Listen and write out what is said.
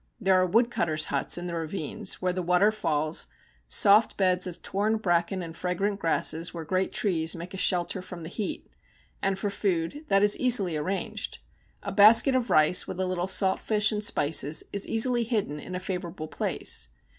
There are wood cutters' huts in the ravines where the water falls, soft beds of torn bracken and fragrant grasses where great trees make a shelter from the heat; and for food, that is easily arranged. A basket of rice with a little salt fish and spices is easily hidden in a favourable place.